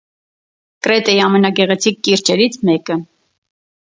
Կրետեի ամենագեղեցիկ կիրճերից մեկը։